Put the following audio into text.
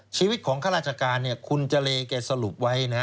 ชีวิตของคารัฐการณ์คุณจาเลแก่สรุปไว้นะ